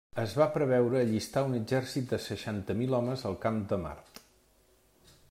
Es va preveure allistar un exèrcit de seixanta mil homes al Camp de Mart.